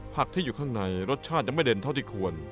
ที่อยู่ข้างในรสชาติยังไม่เด่นเท่าที่ควร